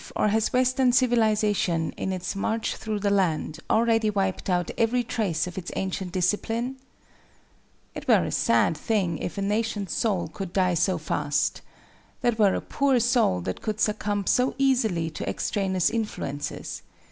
Or has Western civilization, in its march through the land, already wiped out every trace of its ancient discipline? It were a sad thing if a nation's soul could die so fast. That were a poor soul that could succumb so easily to extraneous influences.